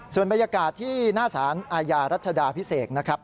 ส่วนบรรยากาศที่หน้าสารอาญารัชดาพิเศษนะครับ